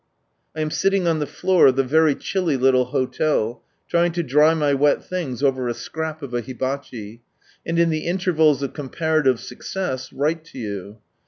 I am sitting on the floor of the very chilly little hotel, trying to dry my wet things over a scrap of a hibachi, and in the intervals of comparative success, write to you.